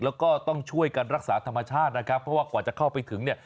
แล้วก็ต้องช่วยกันรักษาธรรมชาตินะครับเพราะว่ากว่าจะเข้าไปถึงเนี่ย